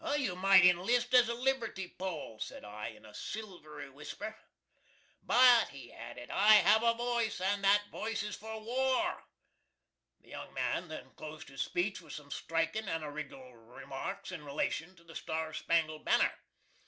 "You might inlist as a liberty pole," said I, in a silvery whisper. "But," he added, "I have a voice, and that voice is for war." The young man then closed his speech with some strikin and orginal remarks in relation to the star spangled banner.